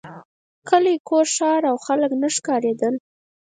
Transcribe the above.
کلی کور ښار او خلک نه ښکارېدل.